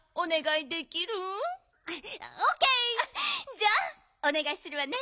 じゃあおねがいするわね。